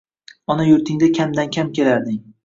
Ona yurtingga kamdan-kam kelarding